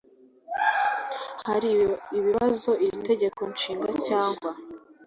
hari ibibazo iri tegeko nshinga cyangwa